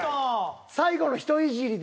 最後のひといじりで。